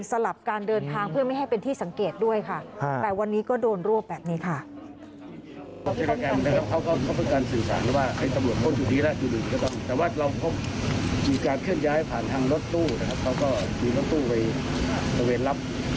สลับการเดินทางเพื่อไม่ให้เป็นที่สังเกตด้วยค่ะ